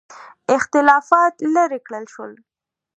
اختلافات لیرې کړل شول.